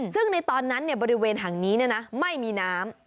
ซึ่งในตอนนั้นบริเวณแห่งนี้ไม่มีน้ำ